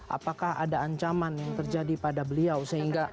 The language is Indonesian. apakah ada ancaman yang terjadi pada beliau sehingga